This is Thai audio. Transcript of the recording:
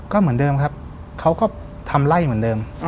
ก็เหมือนเดิมครับเขาก็ทำไล่เหมือนเดิม